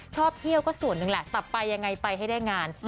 ชอบเที่ยวก็ส่วนหนึ่งแหละตับไปยังไงไปให้ได้งาน